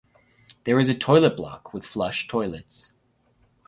There is a toilet block with flush toilets.